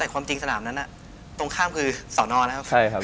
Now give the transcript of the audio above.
แต่ความจริงสนามนั้นตรงข้ามคือสอนอนะครับ